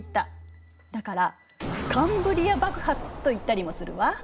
だからカンブリア爆発と言ったりもするわ。